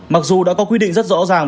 mặc dù đã có quy định rất rõ ràng